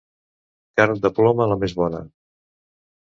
Carn de ploma, la més bona.